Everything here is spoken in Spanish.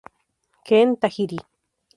Ken Tajiri